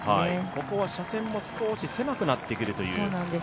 ここは車線も少し狭くなってくるという。